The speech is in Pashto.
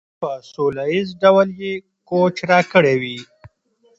په سوله ایز ډول یې کوچ راکړی وي.